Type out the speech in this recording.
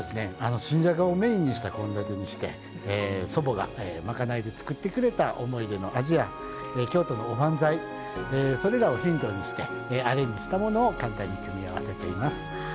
新じゃがをメインにした献立にして祖母が賄いで作ってくれた思い出の味や京都のおばんざいそれらをヒントにしてアレンジしたものを簡単に組み合わせています。